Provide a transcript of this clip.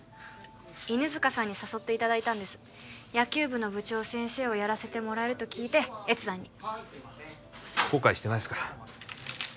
犬塚さんに誘っていただいたんです野球部の部長先生をやらせてもらえると聞いて越山に後悔してないですか？